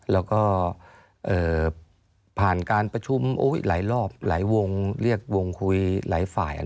แล้วก็ผ่านการประชุมหลายรอบหลายวงเรียกวงคุยหลายฝ่าย